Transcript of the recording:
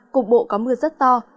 cục bộ có mưa rất to